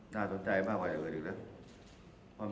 น่าเศร้าใจมากกว่าอย่างเพื่อนอื่นอีกนะ